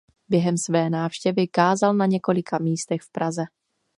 Během své návštěvy kázal na několika místech v Praze.